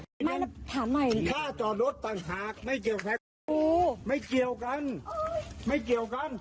ไม่นะถามหน่อยข้าจอรถต่างหากไม่เกี่ยวแพร่ไม่เกี่ยวกันไม่เกี่ยวกัน